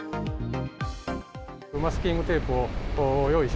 マスキングテープを用意し